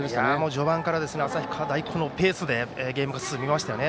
序盤から旭川大高のペースでゲームが進みましたよね。